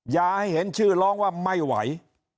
อย่าให้เห็นชื่อร้องว่าไม่ไหว